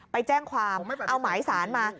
ไปแจ้งความเอาหมายสารมา